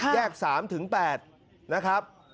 แยก๓๘นะครับ